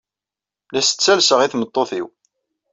La as-ttalseɣ i tmeṭṭut-inu.